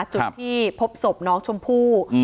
จุดที่พบศพน้องชมพู่